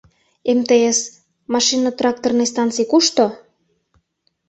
— МТС... машинно-тракторный станций кушто?